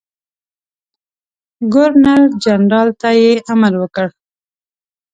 ګورنرجنرال ته یې امر وکړ.